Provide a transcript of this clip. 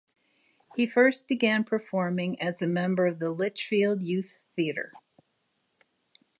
He first began performing as a member of the Lichfield Youth Theatre.